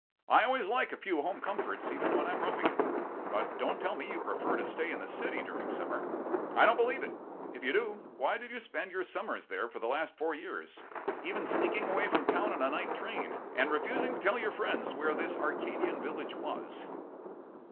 I always like a few home comforts even when I'm roughing it. But don't tell me you prefer to stay in the city during summer. I don't believe it. If you do, why did you spend your summers there for the last four years, even sneaking away from town on a night train, and refusing to tell your friends where this Arcadian village was?"